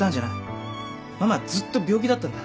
ママはずっと病気だったんだ。